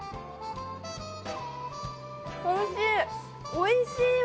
おいしいわ！